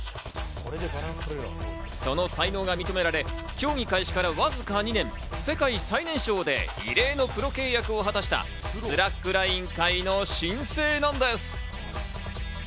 その才能が認められ、競技開始からわずか２年、世界最年少で異例のプロ契約を果たした、スラックライン界の新星なんです。